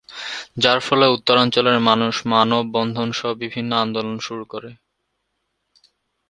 যার ফলে উত্তরাঞ্চলের মানুষ মানব-বন্ধনসহ বিভিন্ন আন্দোলন শুরু করে।